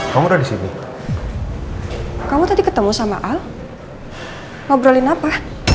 kamu udah disini kamu tadi ketemu sama al al ngobrolin apa